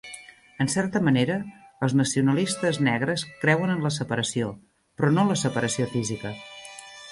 En certa manera, els nacionalistes negres creuen en la separació, però no en la separació física.